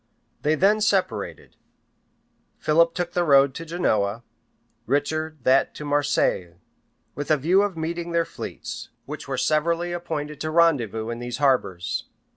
They then separated; Philip took the road to Genoa, Richard that to Marseilles, with a view of meeting their fleets, which were severally appointed to rendezvous in these harbors.